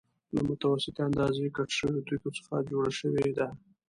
له متوسطې اندازې کټ شویو تېږو څخه جوړه شوې ده.